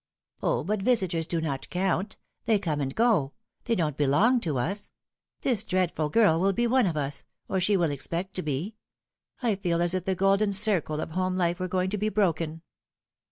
" O, but visitors do not count. They come and go. They don't belong to us. This dreadful girl will be one of us ; or she will expect to be. I feel as if the golden circle of home life were going to be broken."